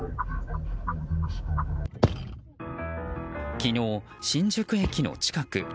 昨日、新宿駅の近く。